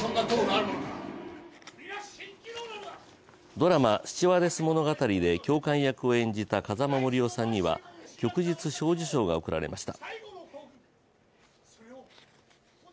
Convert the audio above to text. ドラマ「スチュワーデス物語」で教官役を演じた風間杜夫さんには旭日小綬章が贈られました。